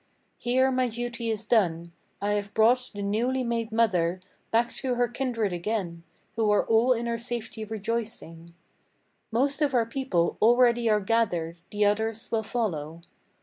Here my duty is done: I have brought the newly made mother Back to her kindred again, who are all in her safety rejoicing. Most of our people already are gathered; the others will follow.